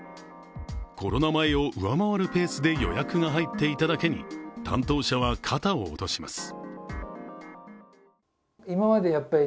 コロナ前を上回るペースで予約が入っていただけに担当者は肩を落とします。